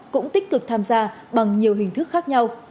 cũng tích cực tham gia bằng nhiều hình thức khác nhau